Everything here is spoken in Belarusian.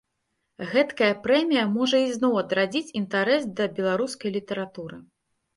Гэткая прэмія можа ізноў адрадзіць інтарэс да беларускай літаратуры.